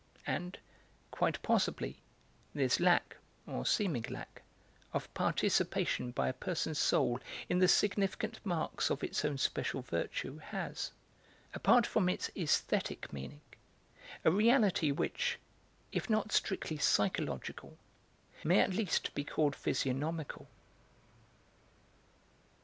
And, quite possibly, this lack (or seeming lack) of participation by a person's soul in the significant marks of its own special virtue has, apart from its aesthetic meaning, a reality which, if not strictly psychological, may at least be called physiognomical.